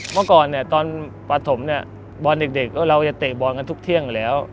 เมื่อก่อนตอนประสมบอลเด็กเราจะเตะบอลกันทุกเที่ยงแล้ว